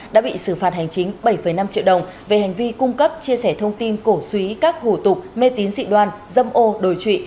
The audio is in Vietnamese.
đã bị xử phạt hành chính bảy năm triệu đồng về hành vi cung cấp chia sẻ thông tin cổ suý các hủ tục mê tín dị đoan dâm ô đồi trụy